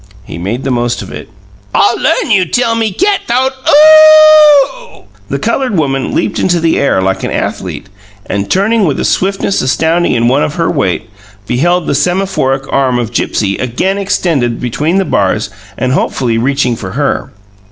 He made the most of it. "I learn you tell me cat th'owed OOOOH!" The coloured woman leaped into the air like an athlete, and, turning with a swiftness astounding in one of her weight, beheld the semaphoric arm of Gipsy again extended between the bars and hopefully reaching for her.